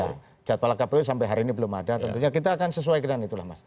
ya jadwal kpu sampai hari ini belum ada tentunya kita akan sesuai dengan itulah mas